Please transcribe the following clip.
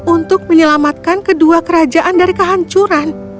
untuk menyelamatkan kedua kerajaan dari kehancuran